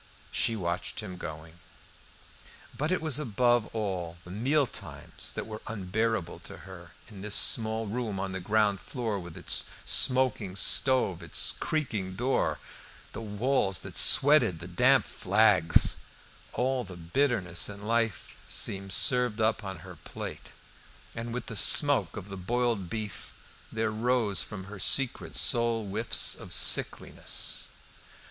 She watched him going. But it was above all the meal times that were unbearable to her, in this small room on the ground floor, with its smoking stove, its creaking door, the walls that sweated, the damp flags; all the bitterness in life seemed served up on her plate, and with smoke of the boiled beef there rose from her secret soul whiffs of sickliness.